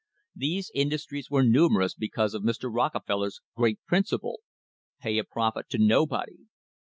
These industries were numerous because of Mr. Rockefeller's great principle, "pay a profit to nobody."